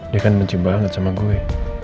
dia kan benci banget sama gue